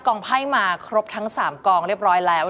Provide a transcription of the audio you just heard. ไพ่มาครบทั้ง๓กองเรียบร้อยแล้ว